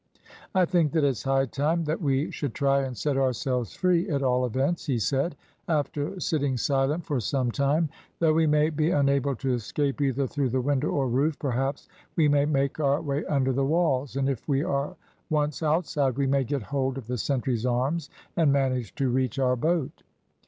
"I think that it's high time that we should try and set ourselves free, at all events," he said, after sitting silent for some time. "Though we may be unable to escape either through the window or roof, perhaps we may make our way under the walls, and, if we are once outside, we may get hold of the sentry's arms, and manage to reach our boat."